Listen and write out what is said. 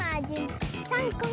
３こめ。